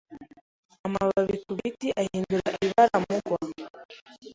Amababi ku biti ahindura ibara mugwa.